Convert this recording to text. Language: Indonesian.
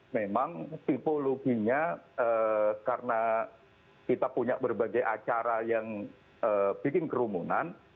memang tipologinya karena kita punya berbagai acara yang bikin kerumunan